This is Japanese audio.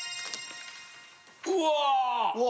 うわ！